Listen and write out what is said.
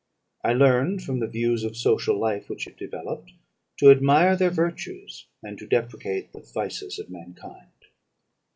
I learned, from the views of social life which it developed, to admire their virtues, and to deprecate the vices of mankind.